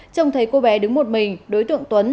trông thấy cô bé đứng một mình đối tượng tuấn